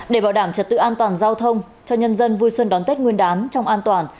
để bảo đảm trật tự an toàn giao thông cho nhân dân vui xuân đón tết nguyên đán trong an toàn